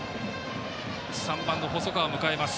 ３番の細川を迎えます。